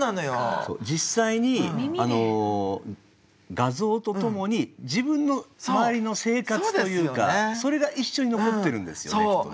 画像と共に自分の周りの生活というかそれが一緒に残ってるんですよねきっとね。